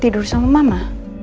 tidur sama mama